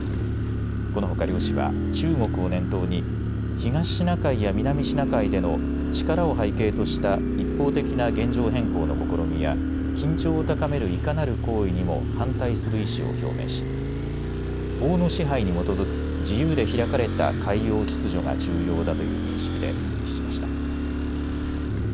このほか両氏は中国を念頭に東シナ海や南シナ海での力を背景とした一方的な現状変更の試みや緊張を高める、いかなる行為にも反対する意思を表明し法の支配に基づく自由で開かれた海洋秩序が重要だという認識で一致しました。